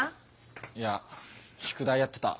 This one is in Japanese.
いや宿題やってた。